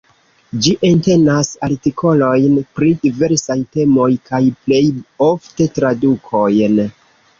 Ĝi entenas artikolojn pri diversaj temoj, kaj plej ofte tradukojn.